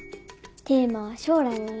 テーマは「将来の夢」。